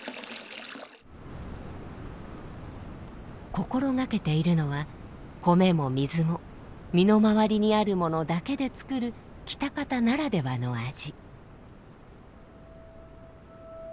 心がけているのは米も水も身の回りにあるものだけでつくる喜多方ならではの味。